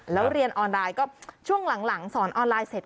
แล้วเรียนออนไลน์ก็ช่วงหลังสอนออนไลน์เสร็จ